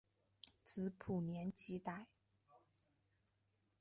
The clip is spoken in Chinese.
子卜怜吉歹。